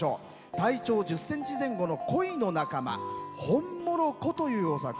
体長１０ｃｍ前後のコイの仲間ホンモロコというお魚。